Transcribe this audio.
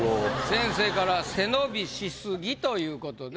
先生から「背伸びしすぎ」ということでございます。